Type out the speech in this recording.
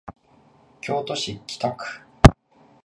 京都市北区